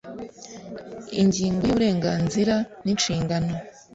Ingingo ya Uburenganzira n inshingano